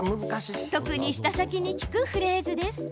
特に舌先に効くフレーズです。